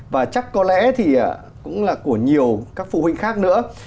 và chắc có lẽ thì cũng là của nhiều các phụ huynh khác nữa